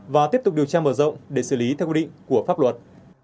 và tiếp tục điều tra mở rộng để xử lý theo quy định của pháp luật